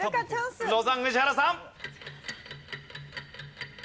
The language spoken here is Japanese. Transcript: ロザン宇治原さん。